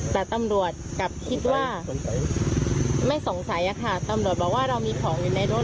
แต่ตำรวจกลับคิดว่าไม่สงสัยค่ะตำรวจบอกว่าเรามีของอยู่ในรถ